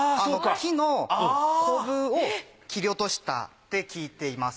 木の瘤を切り落としたって聞いています。